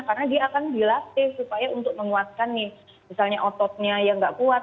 karena dia akan dilatih supaya untuk menguatkan nih misalnya ototnya yang tidak kuat